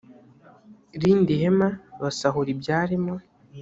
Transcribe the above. rindi hema basahura ibyarimo